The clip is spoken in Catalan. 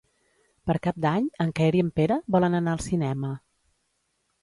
Per Cap d'Any en Quer i en Pere volen anar al cinema.